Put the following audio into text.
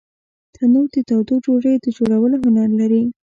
تنور د تودو ډوډیو د جوړولو هنر لري